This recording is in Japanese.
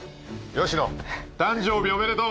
吉野誕生日おめでとう。